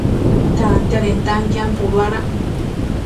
Tantiadentanquien puduenac